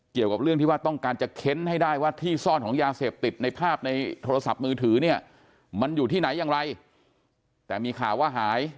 เกี่ยวกับเรื่องที่ว่าต้องการจะเค้นให้ได้ว่าที่ซ่อนของยาเสพติดในภาพในโทรศัพท์มือถือเนี่ยมันอยู่ที่ไหนอย่างไรแต่มีข่าวว่าหาย